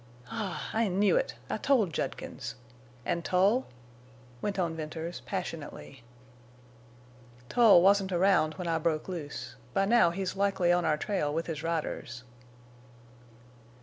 "Ah! I knew it. I told Judkins—And Tull?" went on Venters, passionately. "Tull wasn't around when I broke loose. By now he's likely on our trail with his riders."